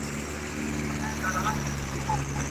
که هر څو مره ذخیره کړې دینارونه سره مهرونه٫